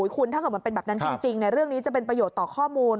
คุณถ้าเกิดมันเป็นแบบนั้นจริงเรื่องนี้จะเป็นประโยชน์ต่อข้อมูล